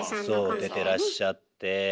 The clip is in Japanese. そう出てらっしゃって。